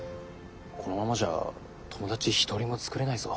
このままじゃ友達一人も作れないぞ。